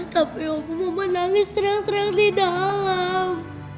tapi mama nangis terang terang di dalam